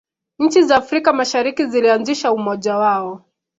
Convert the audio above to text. nchi za afrika mashariki zilianzisha umoja wao